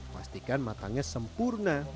pastikan matangnya sempurna